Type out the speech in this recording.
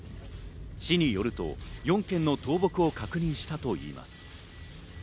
市によると、４件の倒木を確認したといいます。